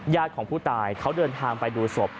ของผู้ตายเขาเดินทางไปดูศพ